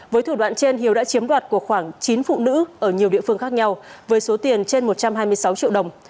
với thủ đoạn trên hiếu đã chiếm đoạt của khoảng chín phụ nữ ở nhiều địa phương khác nhau với số tiền trên một trăm hai mươi sáu triệu đồng